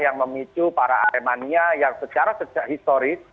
yang memicu para aremania yang secara sejak historis